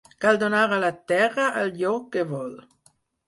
Cal donar a la terra allò que vol.